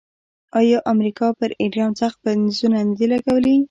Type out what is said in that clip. آیا امریکا پر ایران سخت بندیزونه نه دي لګولي؟